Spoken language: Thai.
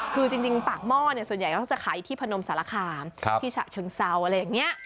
คือจริงปากหม้อส่วนใหญ่เขาจะขายที่พนมสารคามที่ฉะเชิงเซาอะไรอย่างนี้